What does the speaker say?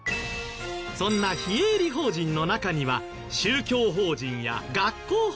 そんな非営利法人の中には宗教法人や学校法人もある。